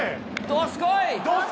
どすこい！